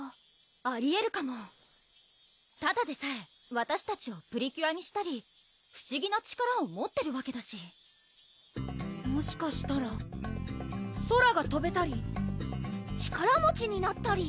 ありえるかもただでさえわたしたちをプリキュアにしたり不思議な力を持ってるわけだしもしかしたら空がとべたり力持ちになったり？